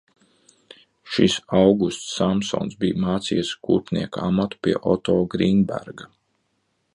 Šis Augusts Samsons bija mācījies kurpnieka amatu pie Oto Grīnberga.